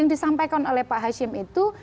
yang disampaikan oleh pak hashim itu